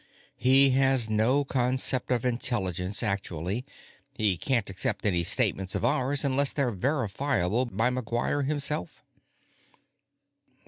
He has no concept of intelligence, actually; he can't accept any statements of ours unless they're verifiable by McGuire himself."